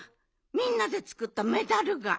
みんなでつくったメダルが！